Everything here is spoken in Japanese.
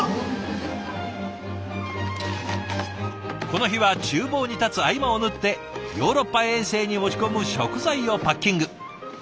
この日はちゅう房に立つ合間を縫ってヨーロッパ遠征に持ち込む食材をパッキング。